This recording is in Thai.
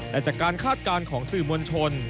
แต่จากการคาดการณ์ของสื่อมวลชน